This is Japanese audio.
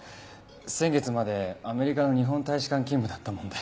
先月までアメリカの日本大使館勤務だったもので。